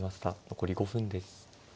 残り５分です。